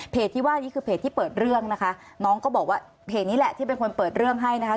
ที่ว่านี้คือเพจที่เปิดเรื่องนะคะน้องก็บอกว่าเพจนี้แหละที่เป็นคนเปิดเรื่องให้นะคะ